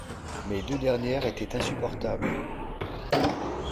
Mes deux dernières étaient insupportables…